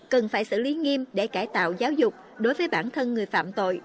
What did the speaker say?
cần phải xử lý nghiêm để cải tạo giáo dục đối với bản thân người phạm tội